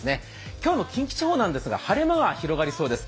今日の近畿地方は晴れ間が広がりそうです。